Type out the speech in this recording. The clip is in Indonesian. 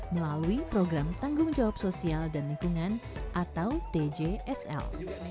melalui program tanggung jawab sosial dan lingkungan atau tjsl